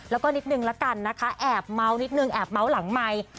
แล้วก็นิดนึงละกันนะคะแอบเม้านิดนึงแอบเม้าหลังใหม่